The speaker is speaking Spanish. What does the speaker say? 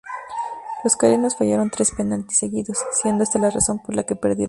Los coreanos fallaron tres penaltis seguidos, siendo esta la razón por la que perdieron.